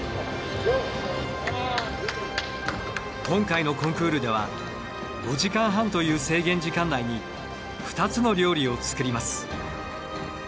今回のコンクールでは５時間半という制限時間内に２つの料理を作ります。